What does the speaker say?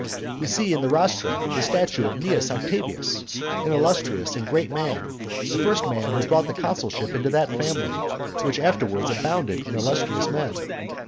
We see in the rostra the statue of Cnaeus Octavius, an illustrious and great man, the first man who brought the consulship into that family, which afterwards abounded in illustrious men.